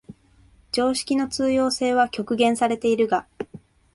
常識の通用性は局限されているが、